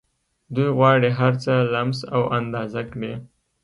دوی غواړي هرڅه لمس او اندازه کړي